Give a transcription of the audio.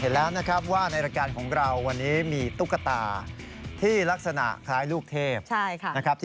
แล้วก็ฮอตฮิตซะเหลือเกินนะครับ